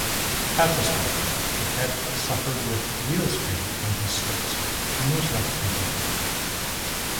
At the start, Piquet suffered with wheelspin on his slicks and was left behind.